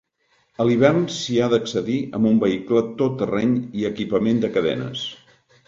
A l'hivern s'hi ha d'accedir amb un vehicle tot terreny i equipament de cadenes.